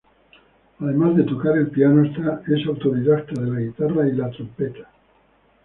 Además de tocar el piano, es autodidacta de la guitarra y la trompeta.